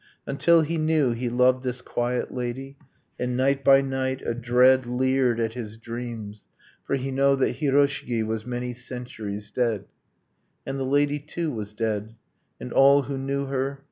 . Until he knew he loved this quiet lady; And night by night a dread Leered at his dreams, for he knew that Hiroshigi Was many centuries dead, And the lady, too, was dead, and all who knew her